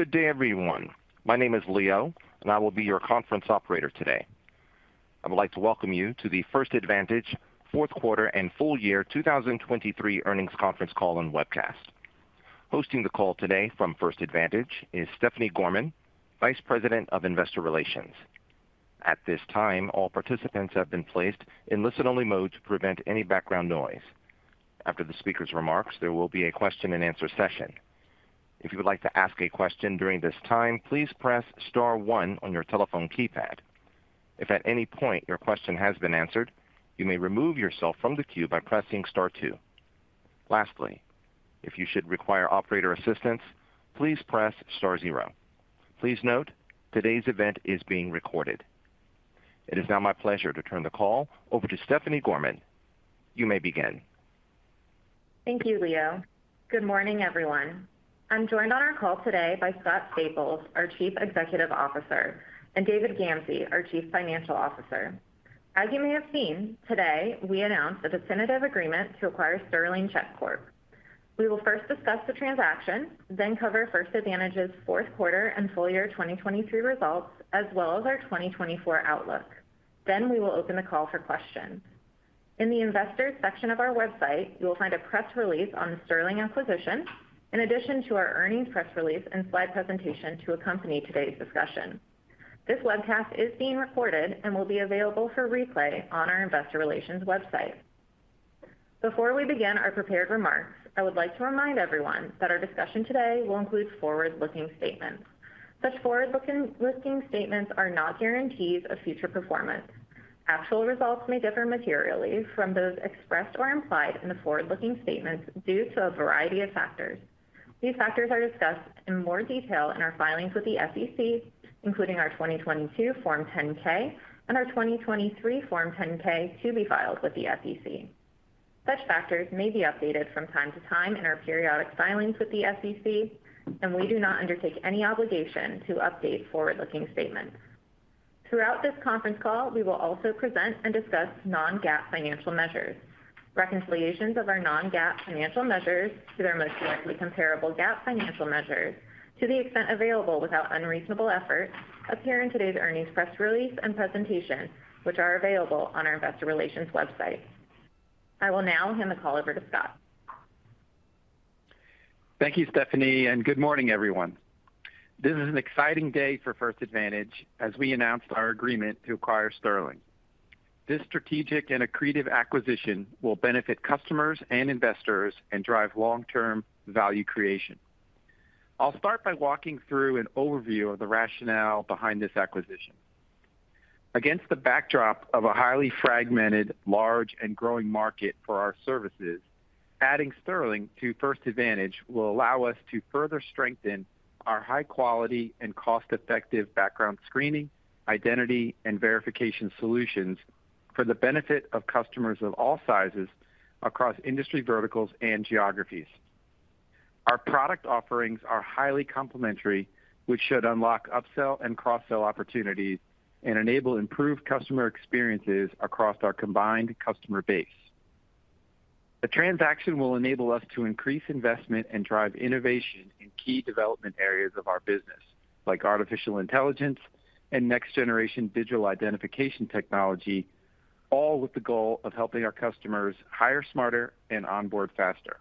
Good day everyone. My name is Leo, and I will be your conference operator today. I would like to welcome you to the First Advantage fourth quarter and full year 2023 earnings conference call and webcast. Hosting the call today from First Advantage is Stephanie Gorman, Vice President of Investor Relations. At this time, all participants have been placed in listen-only mode to prevent any background noise. After the speaker's remarks, there will be a question-and-answer session. If you would like to ask a question during this time, please press star one on your telephone keypad. If at any point your question has been answered, you may remove yourself from the queue by pressing star two. Lastly, if you should require operator assistance, please press star zero. Please note, today's event is being recorded. It is now my pleasure to turn the call over to Stephanie Gorman. You may begin. Thank you, Leo. Good morning everyone. I'm joined on our call today by Scott Staples, our Chief Executive Officer, and David Gamsey, our Chief Financial Officer. As you may have seen, today we announced a definitive agreement to acquire Sterling Check Corp. We will first discuss the transaction, then cover First Advantage's fourth quarter and full year 2023 results, as well as our 2024 outlook. Then we will open the call for questions. In the Investors section of our website, you will find a press release on the Sterling acquisition, in addition to our earnings press release and slide presentation to accompany today's discussion. This webcast is being recorded and will be available for replay on our Investor Relations website. Before we begin our prepared remarks, I would like to remind everyone that our discussion today will include forward-looking statements. Such forward-looking statements are not guarantees of future performance. Actual results may differ materially from those expressed or implied in the forward-looking statements due to a variety of factors. These factors are discussed in more detail in our filings with the SEC, including our 2022 Form 10-K and our 2023 Form 10-K to be filed with the SEC. Such factors may be updated from time to time in our periodic filings with the SEC, and we do not undertake any obligation to update forward-looking statements. Throughout this conference call, we will also present and discuss non-GAAP financial measures. Reconciliations of our non-GAAP financial measures to their most directly comparable GAAP financial measures, to the extent available without unreasonable effort, appear in today's earnings press release and presentation, which are available on our Investor Relations website. I will now hand the call over to Scott. Thank you, Stephanie, and good morning everyone. This is an exciting day for First Advantage as we announced our agreement to acquire Sterling. This strategic and accretive acquisition will benefit customers and investors and drive long-term value creation. I'll start by walking through an overview of the rationale behind this acquisition. Against the backdrop of a highly fragmented, large, and growing market for our services, adding Sterling to First Advantage will allow us to further strengthen our high-quality and cost-effective background screening, identity, and verification solutions for the benefit of customers of all sizes across industry verticals and geographies. Our product offerings are highly complementary, which should unlock upsell and cross-sell opportunities and enable improved customer experiences across our combined customer base. The transaction will enable us to increase investment and drive innovation in key development areas of our business, like artificial intelligence and next-generation digital identification technology, all with the goal of helping our customers hire smarter and onboard faster.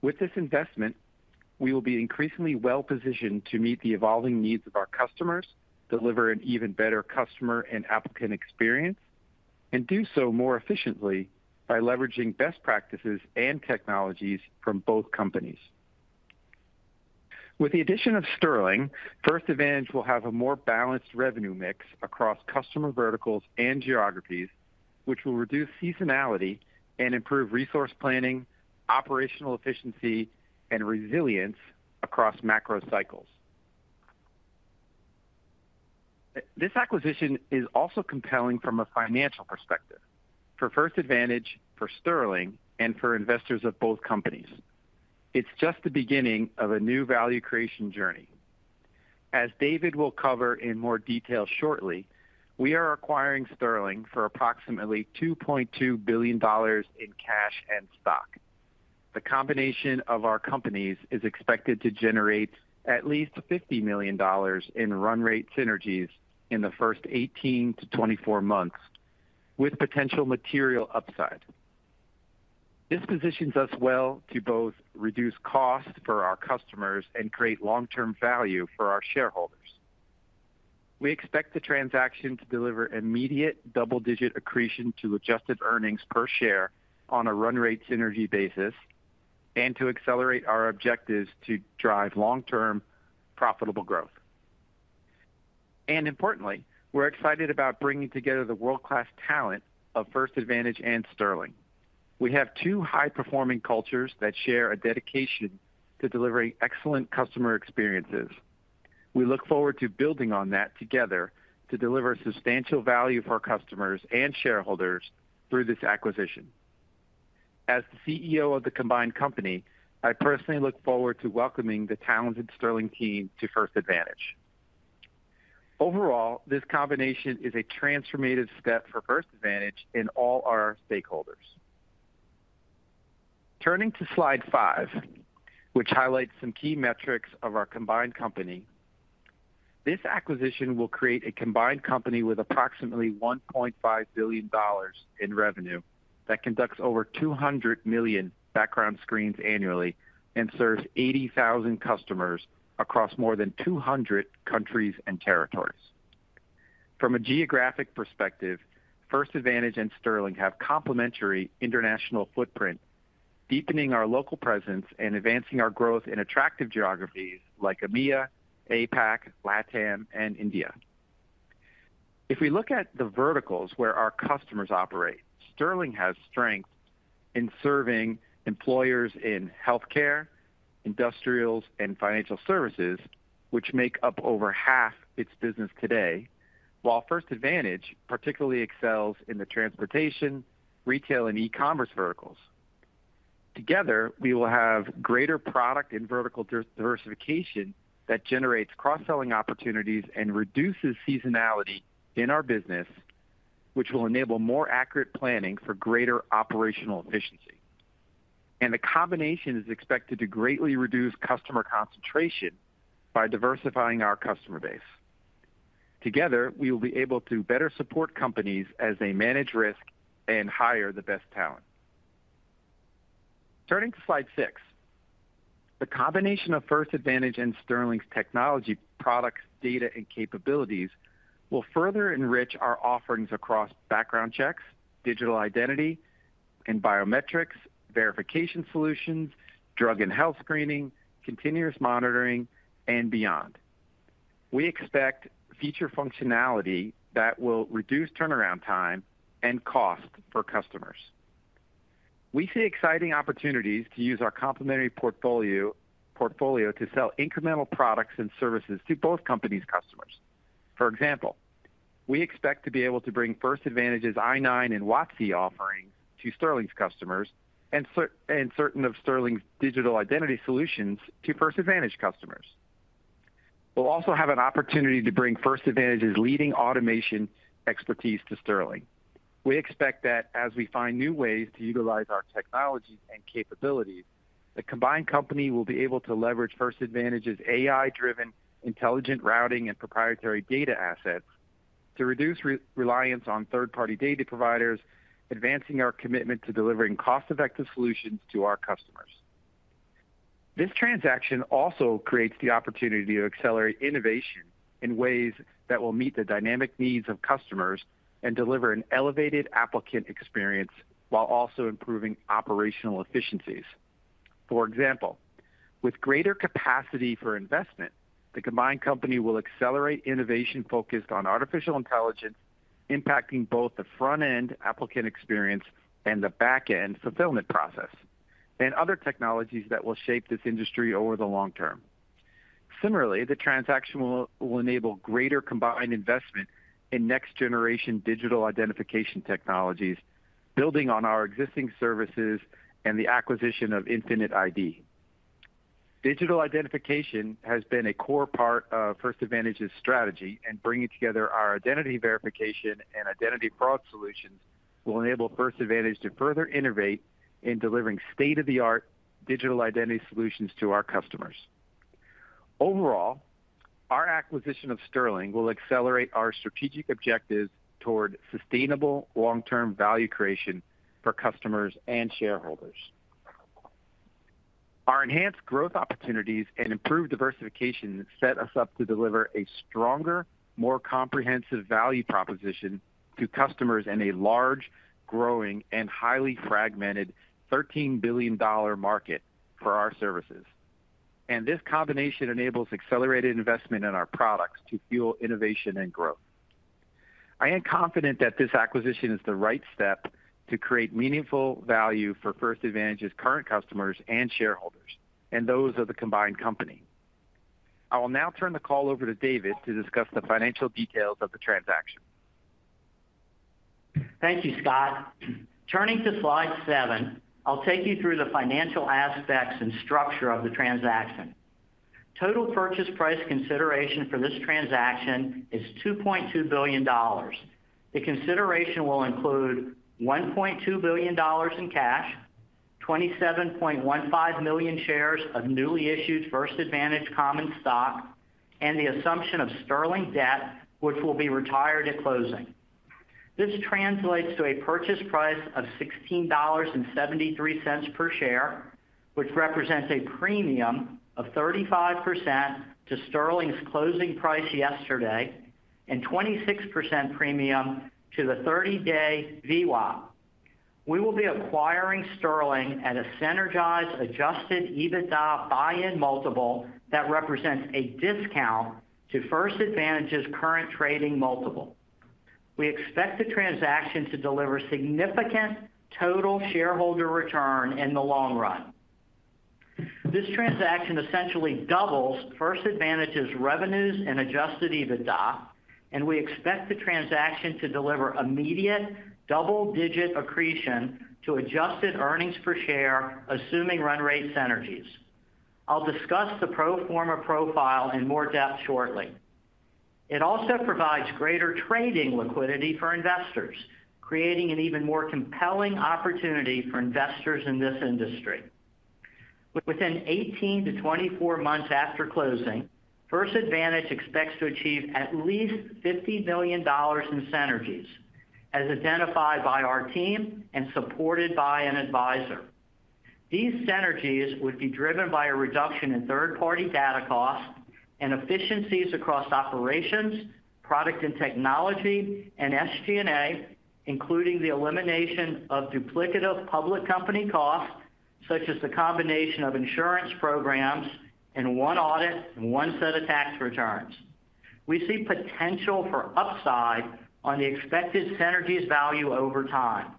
With this investment, we will be increasingly well-positioned to meet the evolving needs of our customers, deliver an even better customer and applicant experience, and do so more efficiently by leveraging best practices and technologies from both companies. With the addition of Sterling, First Advantage will have a more balanced revenue mix across customer verticals and geographies, which will reduce seasonality and improve resource planning, operational efficiency, and resilience across macro cycles. This acquisition is also compelling from a financial perspective for First Advantage, for Sterling, and for investors of both companies. It's just the beginning of a new value creation journey. As David will cover in more detail shortly, we are acquiring Sterling for approximately $2.2 billion in cash and stock. The combination of our companies is expected to generate at least $50 million in run-rate synergies in the first 18-24 months, with potential material upside. This positions us well to both reduce costs for our customers and create long-term value for our shareholders. We expect the transaction to deliver immediate double-digit accretion to adjusted earnings per share on a run-rate synergy basis and to accelerate our objectives to drive long-term profitable growth. And importantly, we're excited about bringing together the world-class talent of First Advantage and Sterling. We have two high-performing cultures that share a dedication to delivering excellent customer experiences. We look forward to building on that together to deliver substantial value for our customers and shareholders through this acquisition. As the CEO of the combined company, I personally look forward to welcoming the talented Sterling team to First Advantage. Overall, this combination is a transformative step for First Advantage and all our stakeholders. Turning to slide five, which highlights some key metrics of our combined company, this acquisition will create a combined company with approximately $1.5 billion in revenue that conducts over 200 million background screens annually and serves 80,000 customers across more than 200 countries and territories. From a geographic perspective, First Advantage and Sterling have complementary international footprint, deepening our local presence and advancing our growth in attractive geographies like EMEA, APAC, LATAM, and India. If we look at the verticals where our customers operate, Sterling has strength in serving employers in healthcare, industrials, and financial services, which make up over half its business today, while First Advantage particularly excels in the transportation, retail, and e-commerce verticals. Together, we will have greater product and vertical diversification that generates cross-selling opportunities and reduces seasonality in our business, which will enable more accurate planning for greater operational efficiency. The combination is expected to greatly reduce customer concentration by diversifying our customer base. Together, we will be able to better support companies as they manage risk and hire the best talent. Turning to slide six, the combination of First Advantage and Sterling's technology, products, data, and capabilities will further enrich our offerings across background checks, digital identity, and biometrics, verification solutions, drug and health screening, continuous monitoring, and beyond. We expect feature functionality that will reduce turnaround time and cost for customers. We see exciting opportunities to use our complementary portfolio to sell incremental products and services to both companies' customers. For example, we expect to be able to bring First Advantage's I-9 and WOTC offerings to Sterling's customers and certain of Sterling's digital identity solutions to First Advantage customers. We'll also have an opportunity to bring First Advantage's leading automation expertise to Sterling. We expect that as we find new ways to utilize our technologies and capabilities, the combined company will be able to leverage First Advantage's AI-driven intelligent routing and proprietary data assets to reduce reliance on third-party data providers, advancing our commitment to delivering cost-effective solutions to our customers. This transaction also creates the opportunity to accelerate innovation in ways that will meet the dynamic needs of customers and deliver an elevated applicant experience while also improving operational efficiencies. For example, with greater capacity for investment, the combined company will accelerate innovation focused on artificial intelligence, impacting both the front-end applicant experience and the back-end fulfillment process, and other technologies that will shape this industry over the long term. Similarly, the transaction will enable greater combined investment in next-generation digital identification technologies, building on our existing services and the acquisition of Infinite ID. Digital identification has been a core part of First Advantage's strategy, and bringing together our identity verification and identity fraud solutions will enable First Advantage to further innovate in delivering state-of-the-art digital identity solutions to our customers. Overall, our acquisition of Sterling will accelerate our strategic objectives toward sustainable long-term value creation for customers and shareholders. Our enhanced growth opportunities and improved diversification set us up to deliver a stronger, more comprehensive value proposition to customers in a large, growing, and highly fragmented $13 billion market for our services. This combination enables accelerated investment in our products to fuel innovation and growth. I am confident that this acquisition is the right step to create meaningful value for First Advantage's current customers and shareholders, and those of the combined company. I will now turn the call over to David to discuss the financial details of the transaction. Thank you, Scott. Turning to slide seven, I'll take you through the financial aspects and structure of the transaction. Total purchase price consideration for this transaction is $2.2 billion. The consideration will include $1.2 billion in cash, 27.15 million shares of newly issued First Advantage common stock, and the assumption of Sterling debt, which will be retired at closing. This translates to a purchase price of $16.73 per share, which represents a premium of 35% to Sterling's closing price yesterday and 26% premium to the 30-day VWAP. We will be acquiring Sterling at a synergized Adjusted EBITDA buy-in multiple that represents a discount to First Advantage's current trading multiple. We expect the transaction to deliver significant total shareholder return in the long run. This transaction essentially doubles First Advantage's revenues and Adjusted EBITDA, and we expect the transaction to deliver immediate double-digit accretion to Adjusted earnings per share, assuming run-rate synergies. I'll discuss the pro forma profile in more depth shortly. It also provides greater trading liquidity for investors, creating an even more compelling opportunity for investors in this industry. Within 18-24 months after closing, First Advantage expects to achieve at least $50 million in synergies, as identified by our team and supported by an advisor. These synergies would be driven by a reduction in third-party data costs and efficiencies across operations, product and technology, and SG&A, including the elimination of duplicative public company costs such as the combination of insurance programs and one audit and one set of tax returns. We see potential for upside on the expected synergies value over time.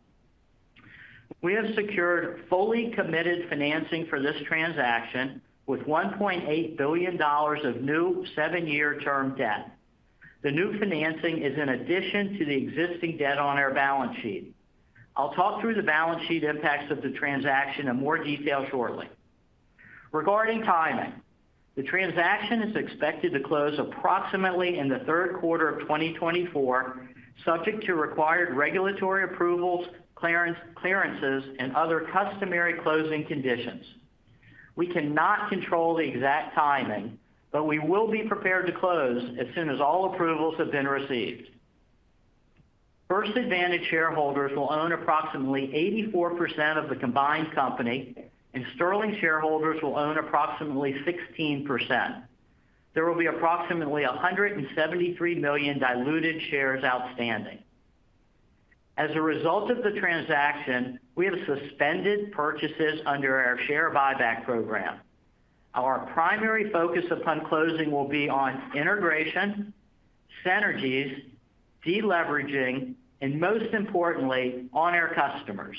We have secured fully committed financing for this transaction with $1.8 billion of new seven-year term debt. The new financing is in addition to the existing debt on our balance sheet. I'll talk through the balance sheet impacts of the transaction in more detail shortly. Regarding timing, the transaction is expected to close approximately in the third quarter of 2024, subject to required regulatory approvals, clearances, and other customary closing conditions. We cannot control the exact timing, but we will be prepared to close as soon as all approvals have been received. First Advantage shareholders will own approximately 84% of the combined company, and Sterling shareholders will own approximately 16%. There will be approximately 173 million diluted shares outstanding. As a result of the transaction, we have suspended purchases under our Share Buyback program. Our primary focus upon closing will be on integration, synergies, deleveraging, and most importantly, on our customers.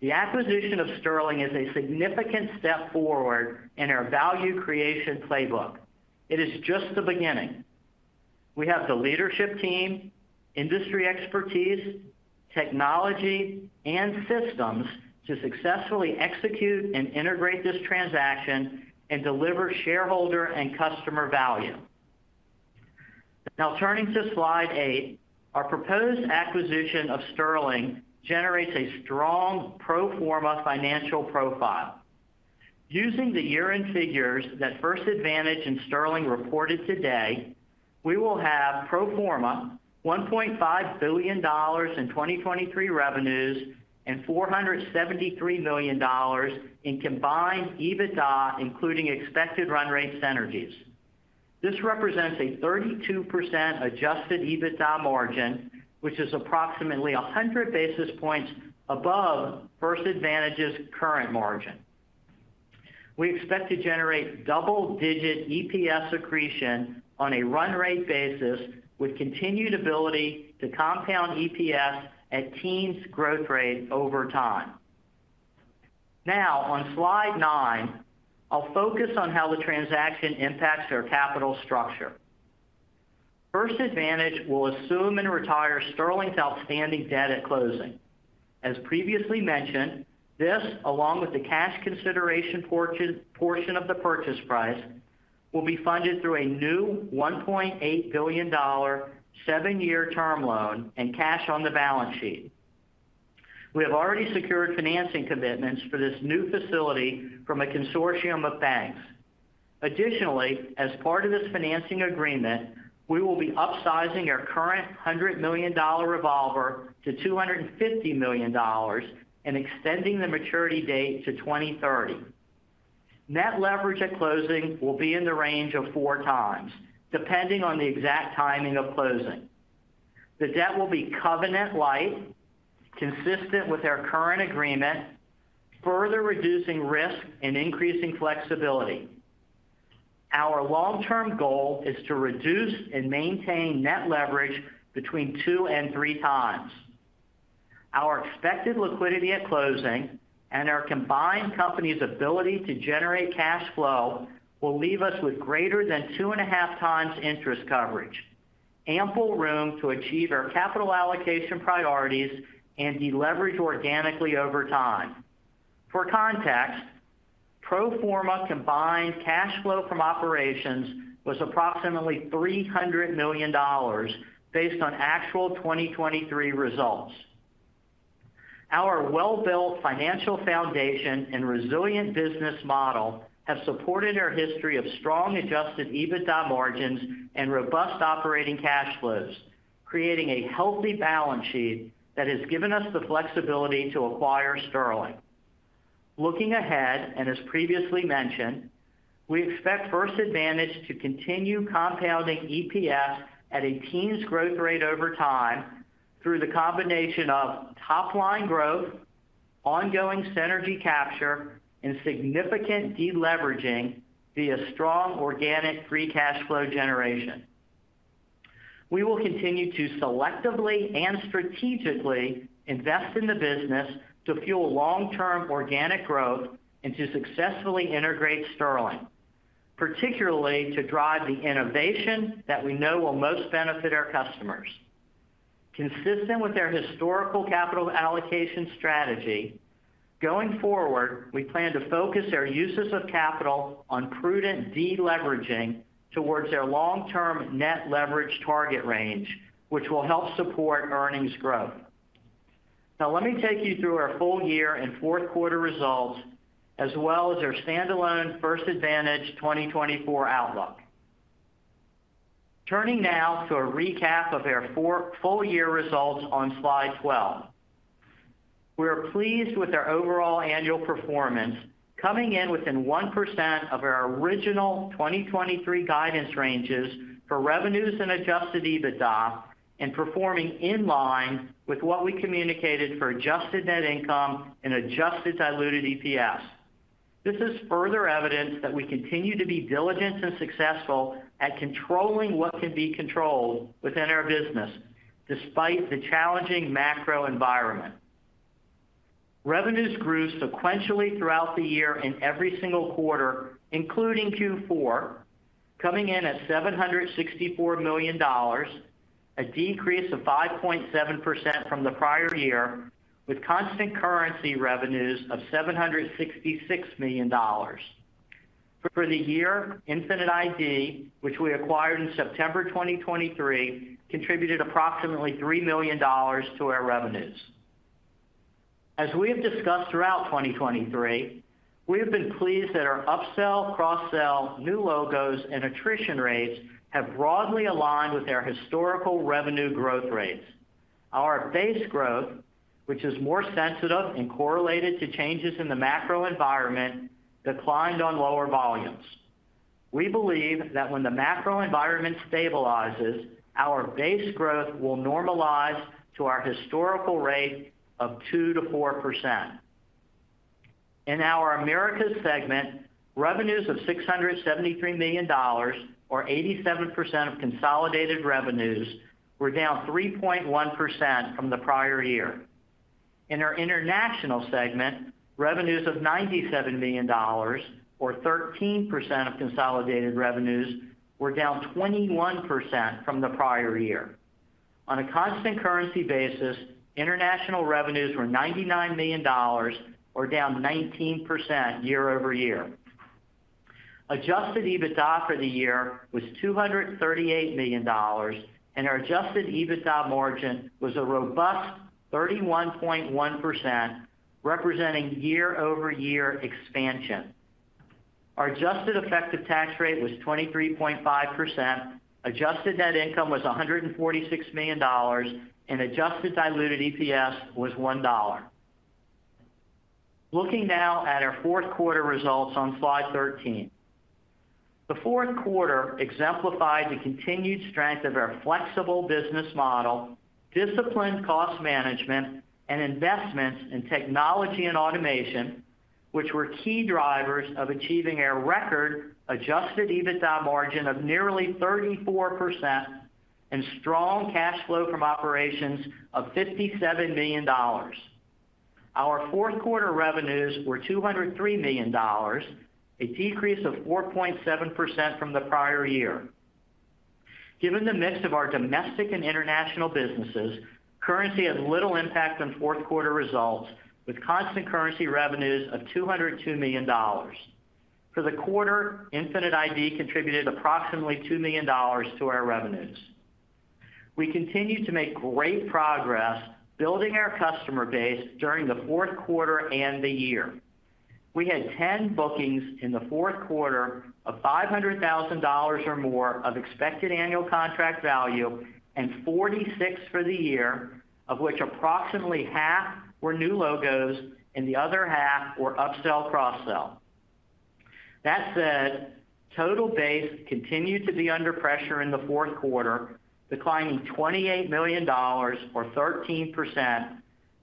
The acquisition of Sterling is a significant step forward in our value creation playbook. It is just the beginning. We have the leadership team, industry expertise, technology, and systems to successfully execute and integrate this transaction and deliver shareholder and customer value. Now, turning to slide 8, our proposed acquisition of Sterling generates a strong pro forma financial profile. Using the year-end figures that First Advantage and Sterling reported today, we will have pro forma $1.5 billion in 2023 revenues and $473 million in combined EBITDA, including expected run-rate synergies. This represents a 32% adjusted EBITDA margin, which is approximately 100 basis points above First Advantage's current margin. We expect to generate double-digit EPS accretion on a run-rate basis with continued ability to compound EPS at teens' growth rate over time. Now, on slide nine, I'll focus on how the transaction impacts our capital structure. First Advantage will assume and retire Sterling's outstanding debt at closing. As previously mentioned, this, along with the cash consideration portion of the purchase price, will be funded through a new $1.8 billion seven-year term loan and cash on the balance sheet. We have already secured financing commitments for this new facility from a consortium of banks. Additionally, as part of this financing agreement, we will be upsizing our current $100 million revolver to $250 million and extending the maturity date to 2030. Net leverage at closing will be in the range of 4x, depending on the exact timing of closing. The debt will be covenant-lite, consistent with our current agreement, further reducing risk and increasing flexibility. Our long-term goal is to reduce and maintain net leverage between 2x-3x. Our expected liquidity at closing and our combined company's ability to generate cash flow will leave us with greater than 2.5x interest coverage, ample room to achieve our capital allocation priorities and deleverage organically over time. For context, pro forma combined cash flow from operations was approximately $300 million based on actual 2023 results. Our well-built financial foundation and resilient business model have supported our history of strong adjusted EBITDA margins and robust operating cash flows, creating a healthy balance sheet that has given us the flexibility to acquire Sterling. Looking ahead, and as previously mentioned, we expect First Advantage to continue compounding EPS at a teens' growth rate over time through the combination of top-line growth, ongoing synergy capture, and significant deleveraging via strong organic free cash flow generation. We will continue to selectively and strategically invest in the business to fuel long-term organic growth and to successfully integrate Sterling, particularly to drive the innovation that we know will most benefit our customers. Consistent with our historical capital allocation strategy, going forward, we plan to focus our uses of capital on prudent deleveraging towards our long-term Net Leverage target range, which will help support earnings growth. Now, let me take you through our full year and fourth quarter results, as well as our standalone First Advantage 2024 outlook. Turning now to a recap of our full year results on slide 12. We are pleased with our overall annual performance, coming in within 1% of our original 2023 guidance ranges for revenues and Adjusted EBITDA and performing in line with what we communicated for Adjusted Net Income and Adjusted Diluted EPS. This is further evidence that we continue to be diligent and successful at controlling what can be controlled within our business, despite the challenging macro environment. Revenues grew sequentially throughout the year in every single quarter, including Q4, coming in at $764 million, a decrease of 5.7% from the prior year, with constant currency revenues of $766 million. For the year, Infinite ID, which we acquired in September 2023, contributed approximately $3 million to our revenues. As we have discussed throughout 2023, we have been pleased that our upsell, cross-sell, new logos, and attrition rates have broadly aligned with our historical revenue growth rates. Our base growth, which is more sensitive and correlated to changes in the macro environment, declined on lower volumes. We believe that when the macro environment stabilizes, our base growth will normalize to our historical rate of 2%-4%. In our Americas segment, revenues of $673 million, or 87% of consolidated revenues, were down 3.1% from the prior year. In our international segment, revenues of $97 million, or 13% of consolidated revenues, were down 21% from the prior year. On a constant currency basis, international revenues were $99 million, or down 19% year-over-year. Adjusted EBITDA for the year was $238 million, and our Adjusted EBITDA margin was a robust 31.1%, representing year-over-year expansion. Our adjusted effective tax rate was 23.5%, Adjusted Net Income was $146 million, and Adjusted Diluted EPS was $1. Looking now at our fourth quarter results on slide 13. The fourth quarter exemplified the continued strength of our flexible business model, disciplined cost management, and investments in technology and automation, which were key drivers of achieving our record Adjusted EBITDA margin of nearly 34% and strong cash flow from operations of $57 million. Our fourth quarter revenues were $203 million, a decrease of 4.7% from the prior year. Given the mix of our domestic and international businesses, currency had little impact on fourth quarter results, with constant currency revenues of $202 million. For the quarter, Infinite ID contributed approximately $2 million to our revenues. We continue to make great progress building our customer base during the fourth quarter and the year. We had 10 bookings in the fourth quarter of $500,000 or more of expected annual contract value and 46 for the year, of which approximately half were new logos and the other half were upsell, cross-sell. That said, total base continued to be under pressure in the fourth quarter, declining $28 million, or 13%,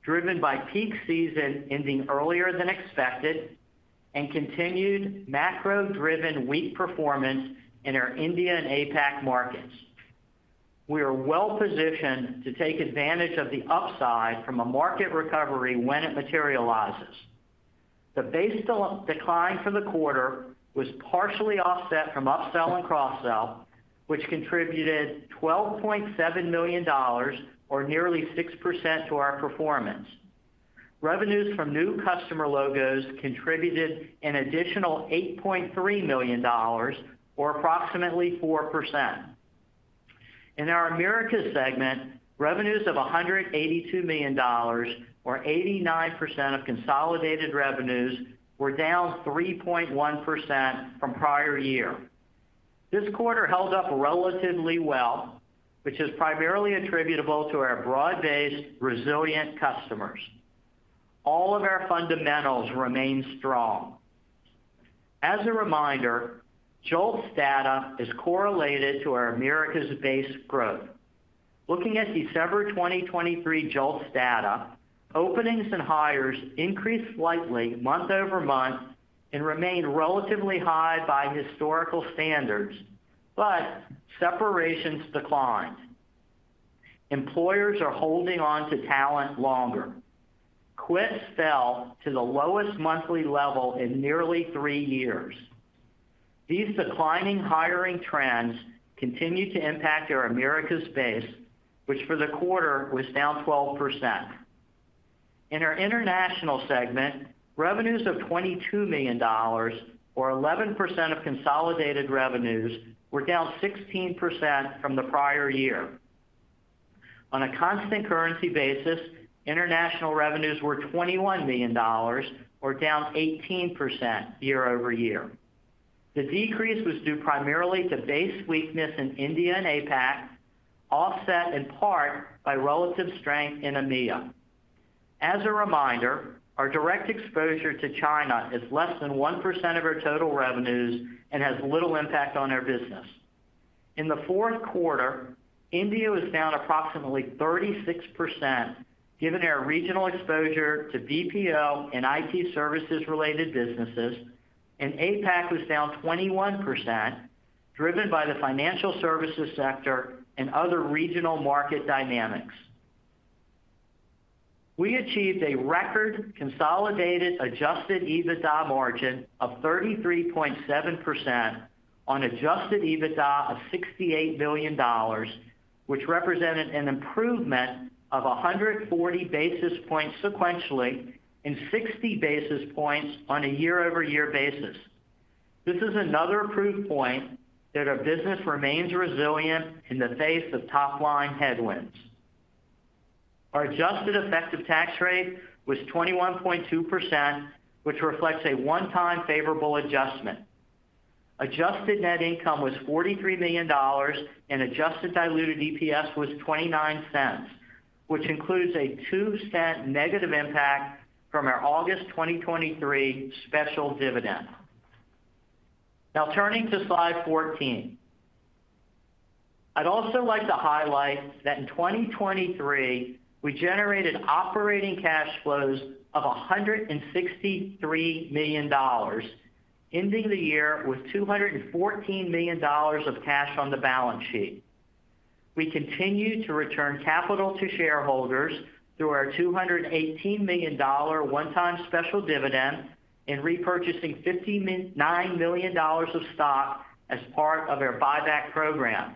driven by peak season ending earlier than expected and continued macro-driven weak performance in our India and APAC markets. We are well positioned to take advantage of the upside from a market recovery when it materializes. The base decline for the quarter was partially offset from upsell and cross-sell, which contributed $12.7 million, or nearly 6%, to our performance. Revenues from new customer logos contributed an additional $8.3 million, or approximately 4%. In our Americas segment, revenues of $182 million, or 89% of consolidated revenues, were down 3.1% from prior year. This quarter held up relatively well, which is primarily attributable to our broad-based, resilient customers. All of our fundamentals remain strong. As a reminder, JOLTS data is correlated to our Americas' base growth. Looking at December 2023 JOLTS data, openings and hires increased slightly month-over-month and remain relatively high by historical standards, but separations declined. Employers are holding onto talent longer. Quits fell to the lowest monthly level in nearly three years. These declining hiring trends continue to impact our Americas base, which for the quarter was down 12%. In our international segment, revenues of $22 million, or 11% of consolidated revenues, were down 16% from the prior year. On a constant currency basis, international revenues were $21 million, or down 18% year over year. The decrease was due primarily to base weakness in India and APAC, offset in part by relative strength in EMEA. As a reminder, our direct exposure to China is less than 1% of our total revenues and has little impact on our business. In the fourth quarter, India was down approximately 36% given our regional exposure to BPO and IT services-related businesses, and APAC was down 21%, driven by the financial services sector and other regional market dynamics. We achieved a record consolidated adjusted EBITDA margin of 33.7% on adjusted EBITDA of $68 million, which represented an improvement of 140 basis points sequentially and 60 basis points on a year-over-year basis. This is another proof point that our business remains resilient in the face of top-line headwinds. Our adjusted effective tax rate was 21.2%, which reflects a one-time favorable adjustment. Adjusted net income was $43 million, and adjusted diluted EPS was $0.29, which includes a $0.02 negative impact from our August 2023 special dividend. Now, turning to slide 14. I'd also like to highlight that in 2023, we generated operating cash flows of $163 million, ending the year with $214 million of cash on the balance sheet. We continue to return capital to shareholders through our $218 million one-time special dividend and repurchasing $59 million of stock as part of our buyback program.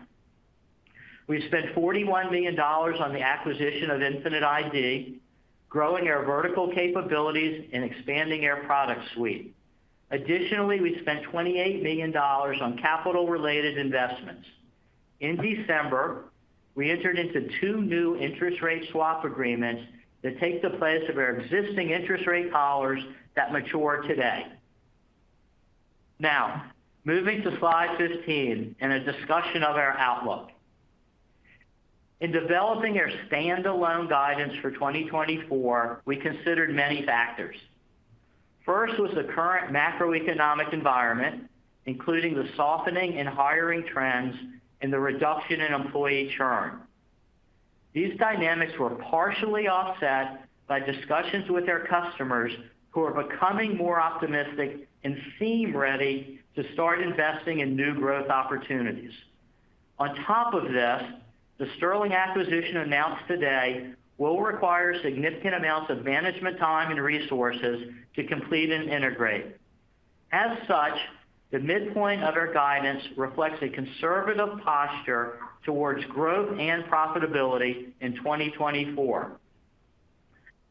We've spent $41 million on the acquisition of Infinite ID, growing our vertical capabilities, and expanding our product suite. Additionally, we spent $28 million on capital-related investments. In December, we entered into two new interest rate swap agreements that take the place of our existing interest rate collars that mature today. Now, moving to slide 15 and a discussion of our outlook. In developing our standalone guidance for 2024, we considered many factors. First was the current macroeconomic environment, including the softening in hiring trends and the reduction in employee churn. These dynamics were partially offset by discussions with our customers who are becoming more optimistic and seem ready to start investing in new growth opportunities. On top of this, the Sterling acquisition announced today will require significant amounts of management time and resources to complete and integrate. As such, the midpoint of our guidance reflects a conservative posture towards growth and profitability in 2024.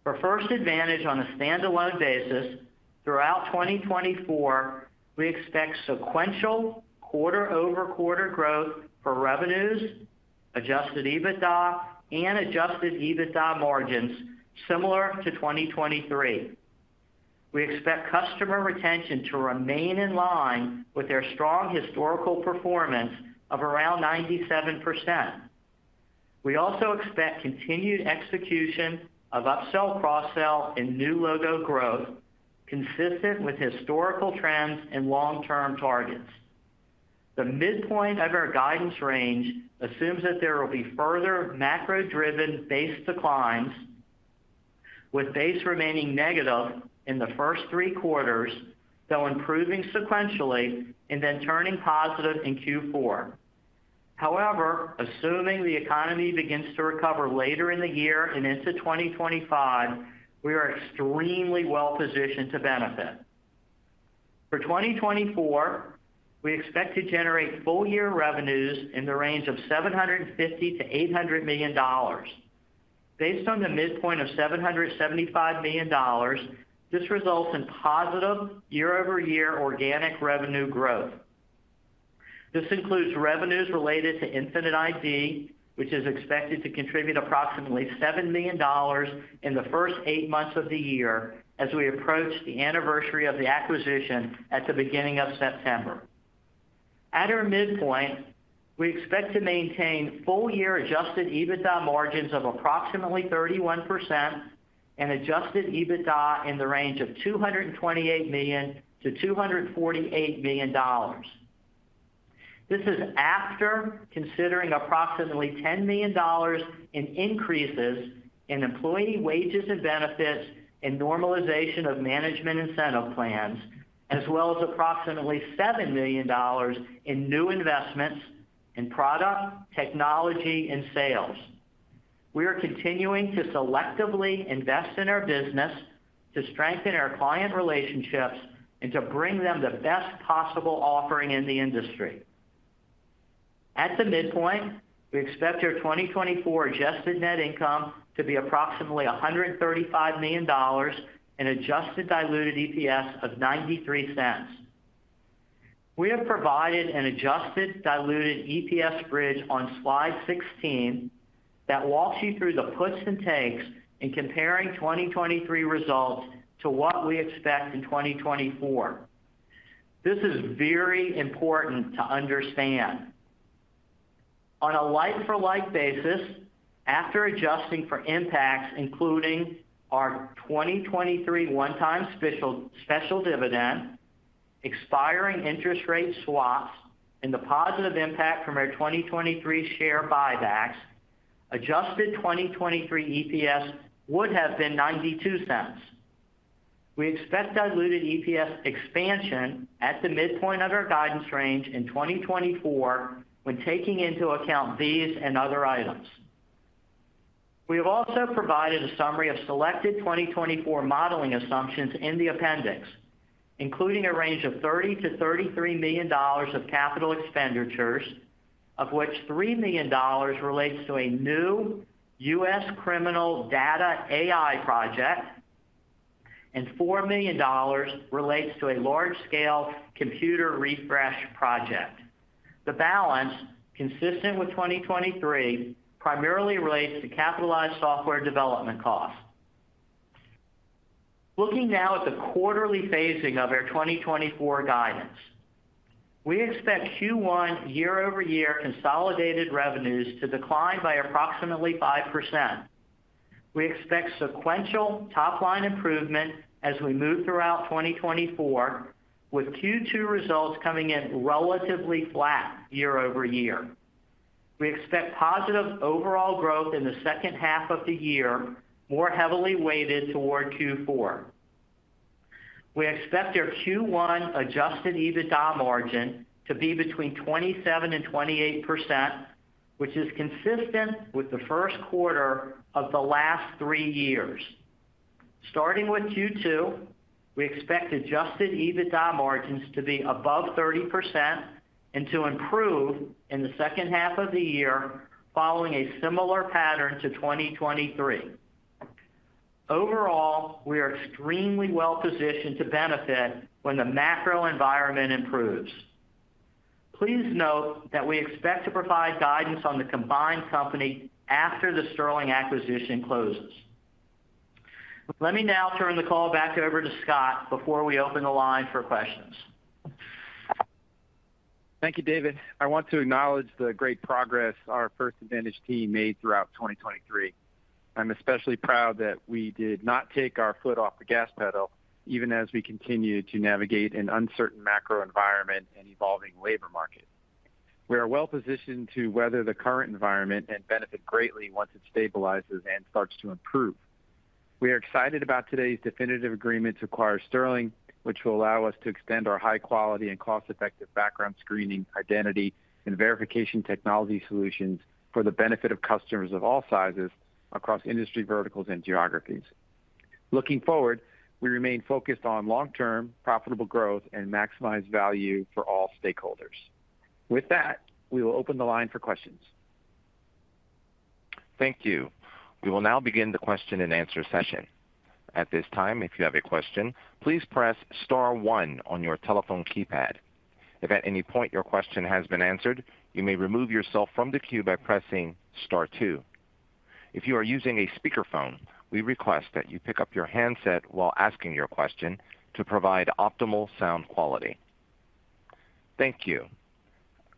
For First Advantage on a standalone basis, throughout 2024, we expect sequential quarter-over-quarter growth for revenues, Adjusted EBITDA, and Adjusted EBITDA margins similar to 2023. We expect customer retention to remain in line with our strong historical performance of around 97%. We also expect continued execution of Upsell, Cross-Sell, and new logo growth, consistent with historical trends and long-term targets. The midpoint of our guidance range assumes that there will be further macro-driven base declines, with base remaining negative in the first three quarters, though improving sequentially and then turning positive in Q4. However, assuming the economy begins to recover later in the year and into 2025, we are extremely well positioned to benefit. For 2024, we expect to generate full-year revenues in the range of $750-$800 million. Based on the midpoint of $775 million, this results in positive year-over-year organic revenue growth. This includes revenues related to Infinite ID, which is expected to contribute approximately $7 million in the first eight months of the year as we approach the anniversary of the acquisition at the beginning of September. At our midpoint, we expect to maintain full-year Adjusted EBITDA margins of approximately 31% and Adjusted EBITDA in the range of $228 million-$248 million. This is after considering approximately $10 million in increases in employee wages and benefits and normalization of management incentive plans, as well as approximately $7 million in new investments in product, technology, and sales. We are continuing to selectively invest in our business to strengthen our client relationships and to bring them the best possible offering in the industry. At the midpoint, we expect our 2024 adjusted net income to be approximately $135 million and adjusted diluted EPS of $0.93. We have provided an adjusted diluted EPS bridge on slide 16 that walks you through the puts and takes in comparing 2023 results to what we expect in 2024. This is very important to understand. On a like-for-like basis, after adjusting for impacts, including our 2023 one-time special dividend, expiring interest rate swaps, and the positive impact from our 2023 share buybacks, adjusted 2023 EPS would have been $0.92. We expect diluted EPS expansion at the midpoint of our guidance range in 2024 when taking into account these and other items. We have also provided a summary of selected 2024 modeling assumptions in the appendix, including a range of $30-$33 million of capital expenditures, of which $3 million relates to a new U.S. criminal data AI project and $4 million relates to a large-scale computer refresh project. The balance, consistent with 2023, primarily relates to capitalized software development costs. Looking now at the quarterly phasing of our 2024 guidance, we expect Q1 year-over-year consolidated revenues to decline by approximately 5%. We expect sequential top-line improvement as we move throughout 2024, with Q2 results coming in relatively flat year-over-year. We expect positive overall growth in the second half of the year, more heavily weighted toward Q4. We expect our Q1 Adjusted EBITDA margin to be between 27%-28%, which is consistent with the first quarter of the last three years. Starting with Q2, we expect Adjusted EBITDA margins to be above 30% and to improve in the second half of the year following a similar pattern to 2023. Overall, we are extremely well positioned to benefit when the macro environment improves. Please note that we expect to provide guidance on the combined company after the Sterling acquisition closes. Let me now turn the call back over to Scott before we open the line for questions. Thank you, David. I want to acknowledge the great progress our First Advantage team made throughout 2023. I'm especially proud that we did not take our foot off the gas pedal, even as we continue to navigate an uncertain macro environment and evolving labor market. We are well positioned to weather the current environment and benefit greatly once it stabilizes and starts to improve. We are excited about today's definitive agreement to acquire Sterling, which will allow us to extend our high-quality and cost-effective background screening, identity, and verification technology solutions for the benefit of customers of all sizes across industry verticals and geographies. Looking forward, we remain focused on long-term profitable growth and maximized value for all stakeholders. With that, we will open the line for questions. Thank you. We will now begin the question-and-answer session. At this time, if you have a question, please press star one on your telephone keypad. If at any point your question has been answered, you may remove yourself from the queue by pressing star two. If you are using a speakerphone, we request that you pick up your handset while asking your question to provide optimal sound quality. Thank you.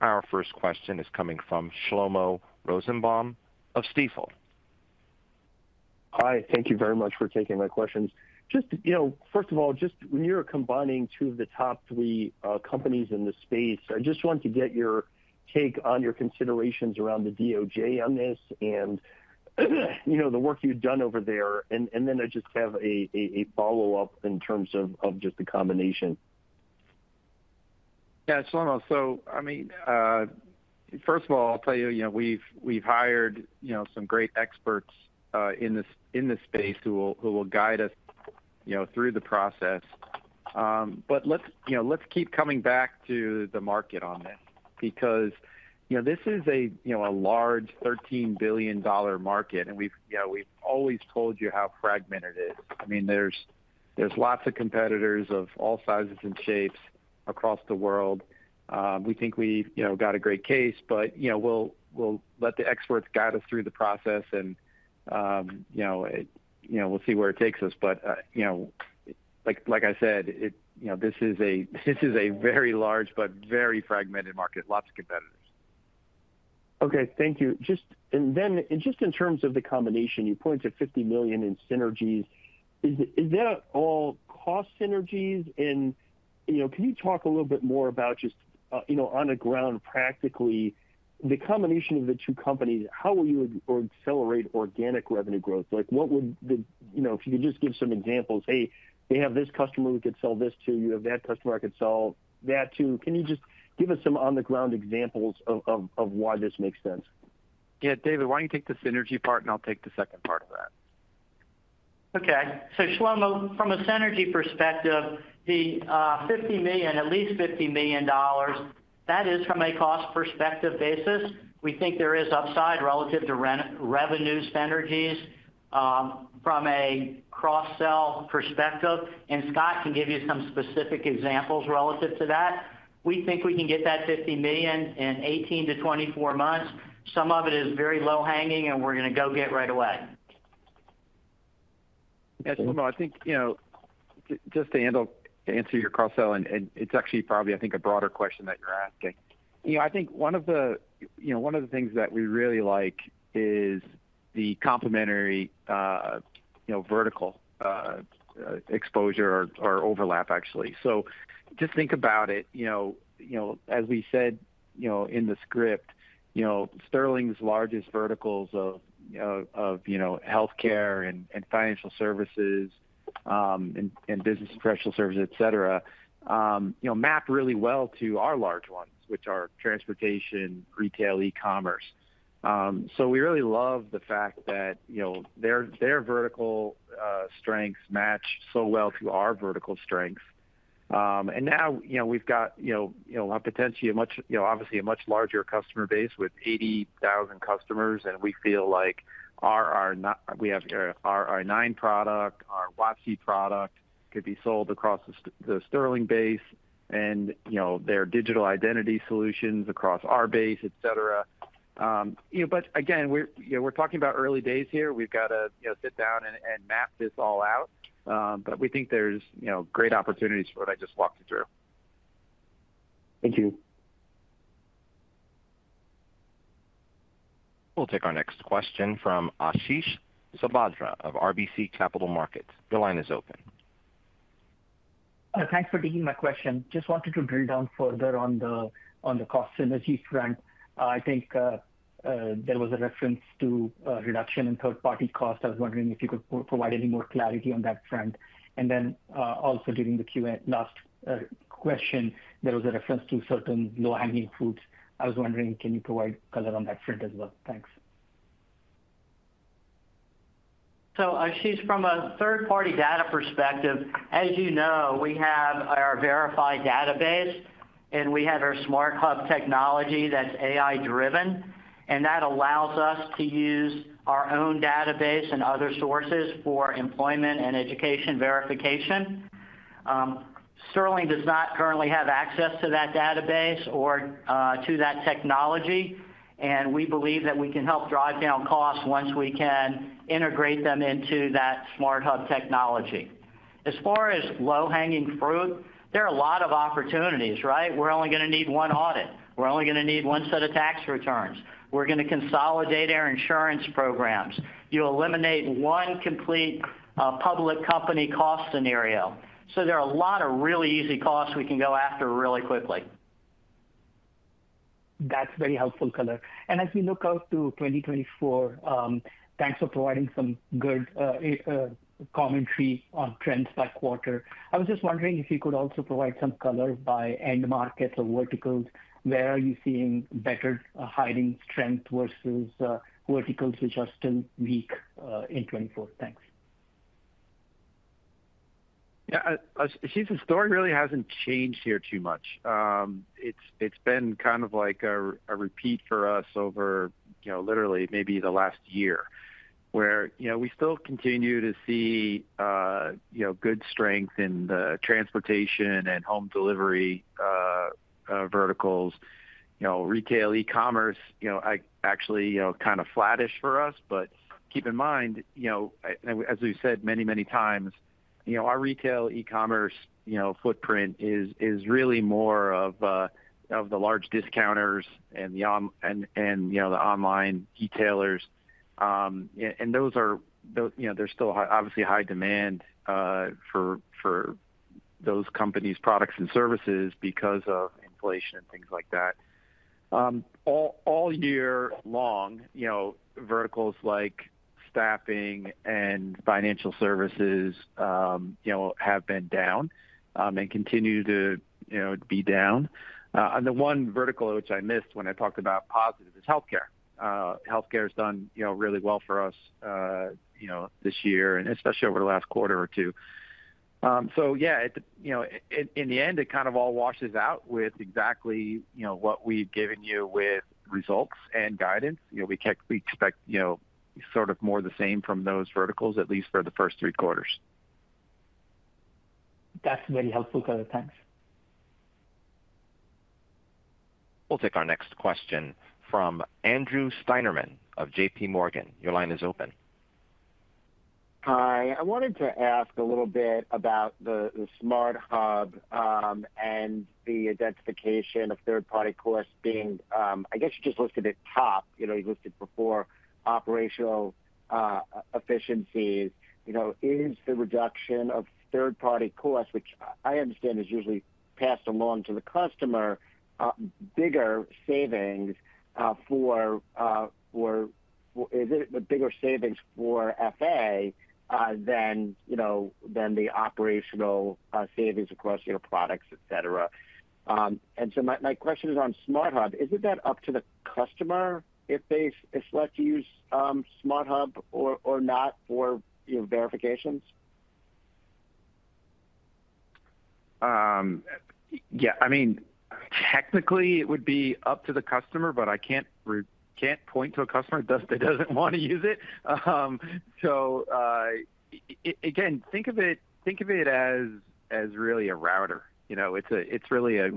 Our first question is coming from Shlomo Rosenbaum of Stifel. Hi. Thank you very much for taking my questions. First of all, when you're combining two of the top three companies in the space, I just want to get your take on your considerations around the DOJ on this and the work you've done over there. And then I just have a follow-up in terms of just the combination. Yeah, Shlomo. So I mean, first of all, I'll tell you, we've hired some great experts in this space who will guide us through the process. But let's keep coming back to the market on this because this is a large $13 billion market, and we've always told you how fragmented it is. I mean, there's lots of competitors of all sizes and shapes across the world. We think we've got a great case, but we'll let the experts guide us through the process, and we'll see where it takes us. But like I said, this is a very large but very fragmented market, lots of competitors. Okay. Thank you. And then just in terms of the combination, you point to $50 million in synergies. Is that all cost synergies? And can you talk a little bit more about just on the ground, practically, the combination of the two companies, how will you accelerate organic revenue growth? What would the if you could just give some examples, "Hey, they have this customer we could sell this to. You have that customer I could sell that to." Can you just give us some on-the-ground examples of why this makes sense? Yeah, David, why don't you take the synergy part, and I'll take the second part of that. Okay. So Shlomo, from a synergy perspective, the $50 million, at least $50 million, that is from a cost perspective basis. We think there is upside relative to revenue synergies from a cross-sell perspective. And Scott can give you some specific examples relative to that. We think we can get that $50 million in 18-24 months. Some of it is very low-hanging, and we're going to go get right away. Yeah, Shlomo, I think just to answer your cross-sell, and it's actually probably, I think, a broader question that you're asking. I think one of the things that we really like is the complementary vertical exposure or overlap, actually. So just think about it. As we said in the script, Sterling's largest verticals of healthcare and financial services and business professional services, etc., map really well to our large ones, which are transportation, retail, e-commerce. So we really love the fact that their vertical strengths match so well to our vertical strengths. And now we've got a potentially, obviously, a much larger customer base with 80,000 customers, and we feel like our I-9 product, our WOTC product could be sold across the Sterling base, and their digital identity solutions across our base, etc. But again, we're talking about early days here. We've got to sit down and map this all out. But we think there's great opportunities for what I just walked you through. Thank you. We'll take our next question from Ashish Sabadra of RBC Capital Markets. Your line is open. Thanks for taking my question. Just wanted to drill down further on the cost synergy front. I think there was a reference to reduction in third-party cost. I was wondering if you could provide any more clarity on that front. And then also during the last question, there was a reference to certain low-hanging fruits. I was wondering, can you provide color on that front as well? Thanks. So Ashish, from a third-party data perspective, as you know, we have our Verify database, and we have our Smart Hub technology that's AI-driven. And that allows us to use our own database and other sources for employment and education verification. Sterling does not currently have access to that database or to that technology. And we believe that we can help drive down costs once we can integrate them into that Smart Hub technology. As far as low-hanging fruit, there are a lot of opportunities, right? We're only going to need one audit. We're only going to need one set of tax returns. We're going to consolidate our insurance programs. You eliminate one complete public company cost scenario. So there are a lot of really easy costs we can go after really quickly. That's very helpful color. As we look out to 2024, thanks for providing some good commentary on trends by quarter. I was just wondering if you could also provide some color by end markets or verticals. Where are you seeing better hiring strength versus verticals which are still weak in 2024? Thanks. Yeah, Ashish, the story really hasn't changed here too much. It's been kind of like a repeat for us over literally maybe the last year, where we still continue to see good strength in the transportation and home delivery verticals. Retail, e-commerce, actually kind of flattish for us. But keep in mind, as we've said many, many times, our retail e-commerce footprint is really more of the large discounters and the online retailers. And there's still, obviously, high demand for those companies' products and services because of inflation and things like that. All year long, verticals like staffing and financial services have been down and continue to be down. And the one vertical which I missed when I talked about positive is healthcare. Healthcare has done really well for us this year, and especially over the last quarter or two. So yeah, in the end, it kind of all washes out with exactly what we've given you with results and guidance. We expect sort of more of the same from those verticals, at least for the first three quarters. That's very helpful color. Thanks. We'll take our next question from Andrew Steinerman of JP Morgan. Your line is open. Hi. I wanted to ask a little bit about the Smart Hub and the identification of third-party costs being, I guess you just listed it top. You listed it before, operational efficiencies. Is the reduction of third-party costs, which I understand is usually passed along to the customer, bigger savings for is it bigger savings for FA than the operational savings across products, etc.? And so my question is on Smart Hub. Is it that up to the customer if they select to use Smart Hub or not for verifications? Yeah. I mean, technically, it would be up to the customer, but I can't point to a customer that doesn't want to use it. So again, think of it as really a router. It's really a